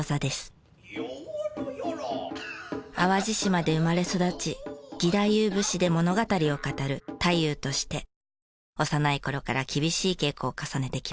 淡路島で生まれ育ち義太夫節で物語を語る太夫として幼い頃から厳しい稽古を重ねてきました。